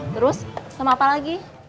terus sama apa lagi